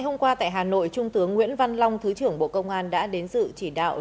hôm nay hà nội trung tướng nguyễn văn long thứ trưởng bộ công an đã đến dự chỉ đạo lễ khai giảng khóa huấn luyện